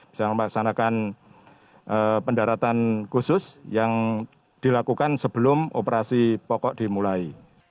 bisa melaksanakan pendaratan khusus yang dilakukan sebelum operasi pokok dimulai